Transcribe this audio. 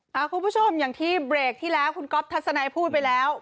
คุณผู้ชมอย่างที่เบรกที่แล้วคุณก๊อฟทัศนัยพูดไปแล้ว